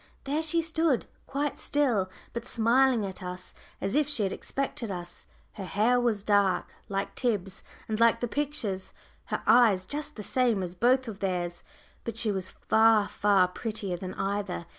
There she stood, quite still, but smiling at us as if she had expected us. Her hair was dark like Tib's and like the picture's her eyes just the same as both of theirs; but she was far, far prettier than either!